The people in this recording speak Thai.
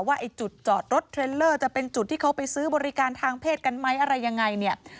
ไอ้จุดจอดรถเทรลเลอร์จะเป็นจุดที่เขาไปซื้อบริการทางเพศกันไหมอะไรยังไงเนี่ย